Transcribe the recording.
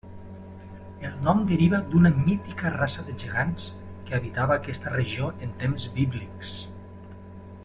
El nom deriva d'una mítica raça de gegants que habitava aquesta regió en temps bíblics.